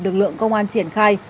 được lượng công an triển khai